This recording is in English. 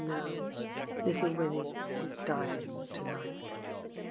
no; little Winnie is dying to night.